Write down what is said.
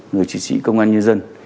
người chiến sĩ công an nhân dân